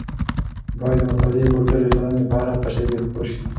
باید د مطالعې کلتور د ټولنې په هره قشر کې خپور شي.